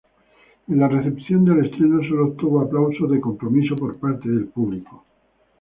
En la recepción del estreno, solo obtuvo aplausos de compromiso por parte del público.